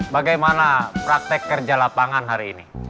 bagaimana praktek kerja lapangan hari ini